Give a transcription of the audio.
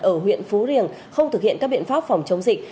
ở huyện phú riềng không thực hiện các biện pháp phòng chống dịch